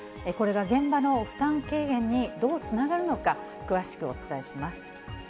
これが現場の負担軽減にどうつながるのか、詳しくお伝えします。